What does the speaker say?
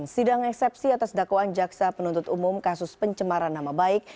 sidang eksepsi atas dakwaan jaksa penuntut umum kasus pencemaran nama baik